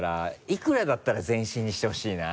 伊倉だったら全身にしてほしいな。